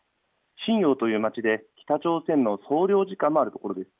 瀋陽という町で北朝鮮の総領事館もあるところです。